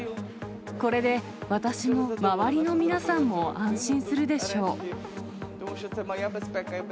これで私も周りの皆さんも安心するでしょう。